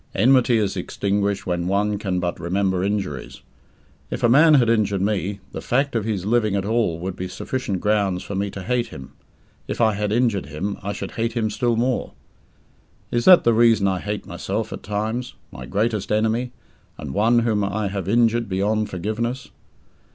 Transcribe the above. Enmity is extinguished when one can but remember injuries. If a man had injured me, the fact of his living at all would be sufficient grounds for me to hate him; if I had injured him, I should hate him still more. Is that the reason I hate myself at times my greatest enemy, and one whom I have injured beyond forgiveness?